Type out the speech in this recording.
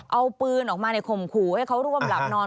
เอาปืนออกมาในข่มขู่ให้เขาร่วมหลับนอน